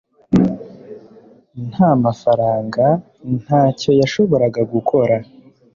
nta mafaranga, ntacyo yashoboraga gukora